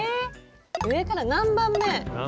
上から何番目？